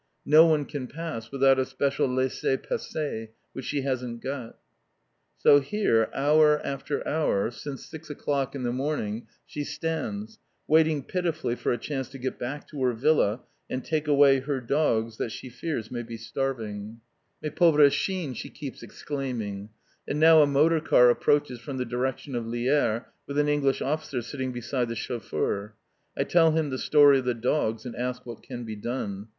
No one can pass without a special laisser passer; which she hasn't got. [Illustration: A SPECIAL PERMIT.] So here, hour after hour, since six o'clock in the morning, she stands, waiting pitifully for a chance to get back to her villa and take away her dogs, that she fears may be starving. "Mes pauvre chiens!" she keeps exclaiming. And now a motor car approaches from the direction of Lierre, with an English officer sitting beside the chauffeur. I tell him the story of the dogs and ask what can be done.